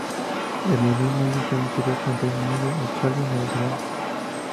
Ese mismo año fue emitida en Reino Unido, Australia y Nueva Zelanda.